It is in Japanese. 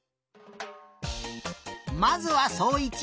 まずはそういち。